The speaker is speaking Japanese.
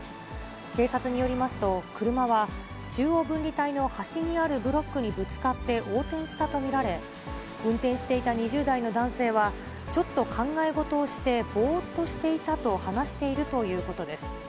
警察によりますと、車は中央分離帯の端にあるブロックにぶつかって横転したと見られ、運転していた２０代の男性は、ちょっと考え事をしてぼーっとしていたと話しているということです。